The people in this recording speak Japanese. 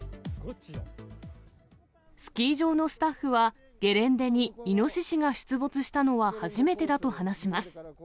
スキー場のスタッフは、ゲレンデにイノシシが出没したのは初めてだと話します。